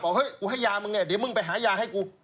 เฮ้ยกูให้ยามึงเนี่ยเดี๋ยวมึงไปหายาให้กู